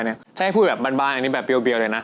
ถ้าให้พูดแบบบานอันนี้แบบเรียวเลยนะ